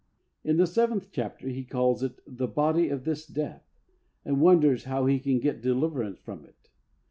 In the seventh chapter he calls it " the body of this death " and wonders how he can get deliverance from it.